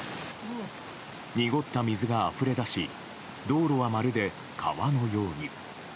濁った水があふれ出し、道路はまるで川のように。